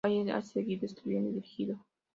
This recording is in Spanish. Wallace ha seguido escribiendo y dirigiendo.